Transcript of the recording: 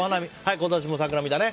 今年も桜見たね！